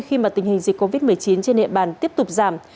khi mà tình hình dịch covid một mươi chín trên địa bàn tiếp tục giảm